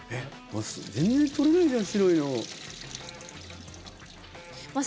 全然取れないじゃん白いの。